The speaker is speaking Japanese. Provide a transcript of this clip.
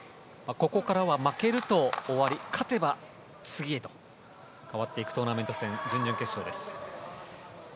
ここからは負けると終わり勝てば次へと変わっていくトーナメント戦。準々決勝です。